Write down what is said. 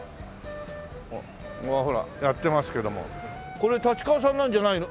これ立川産なんじゃないの？